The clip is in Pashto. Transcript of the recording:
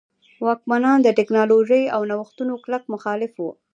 واکمنان د ټکنالوژۍ او نوښتونو کلک مخالف وو.